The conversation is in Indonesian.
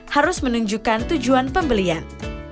harus menunjukkan tujuan pembelian